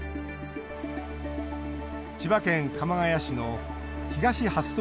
千葉県鎌ケ谷市の東初富